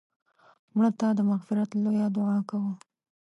مړه ته د مغفرت لویه دعا کوو